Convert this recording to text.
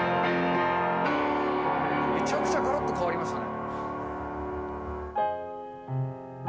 めちゃくちゃがらっと変わりましたね。